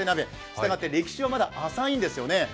したがって歴史はまだ浅いんですよね。